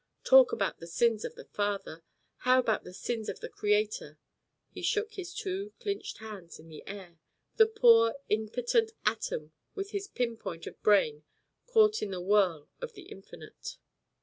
Talk about the sins of the father how about the sins of the Creator?" He shook his two clinched hands in the air the poor impotent atom with his pin point of brain caught in the whirl of the infinite.